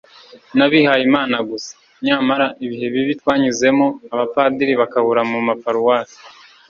n'abihayimana gusa.nyamara ibihe bibi twanyuzemo, abapadiri bakabura mu maparuwasi